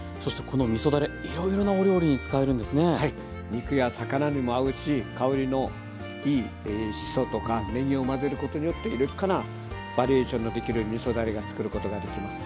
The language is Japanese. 肉や魚にも合うし香りのいいしそとかねぎを混ぜることによって豊かなバリエーションのできるみそだれが作ることができます。